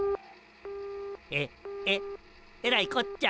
ええらいこっちゃ。